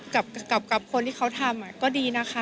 กับคนที่เขาทำก็ดีนะคะ